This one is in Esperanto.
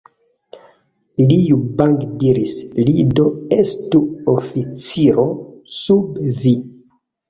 Liu Bang diris, Li do estu oficiro sub vi.